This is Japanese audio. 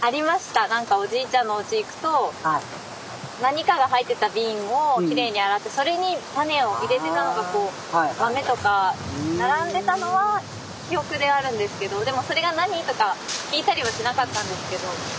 何かおじいちゃんのおうち行くと何かが入ってた瓶をきれいに洗ってそれにタネを入れてたのがこう豆とか並んでたのは記憶であるんですけどでもそれが何とか聞いたりはしなかったんですけど。